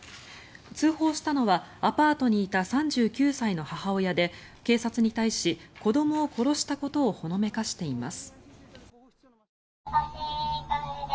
通報したのはアパートにいた３９歳の母親で警察に対し子どもを殺したことをほのめかしています。